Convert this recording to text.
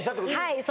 はい